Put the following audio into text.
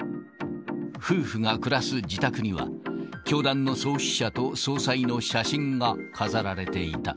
夫婦が暮らす自宅には、教団の創始者と総裁の写真が飾られていた。